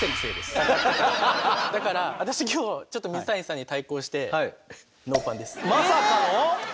だから私今日ちょっと水谷さんに対抗してまさかの！